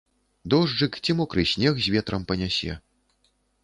Дожджык ці мокры снег з ветрам панясе.